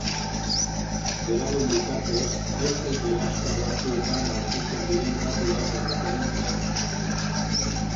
Berauen bitartez beste gelaxka batzuetan aurkitzen diren datuak erreferentzia ditzakegu.